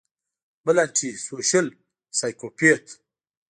بل انټي سوشل سايکوپېت